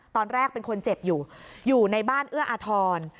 ตอนแรกเป็นคนเจ็บอยู่อยู่ในบ้านเอื้ออาทร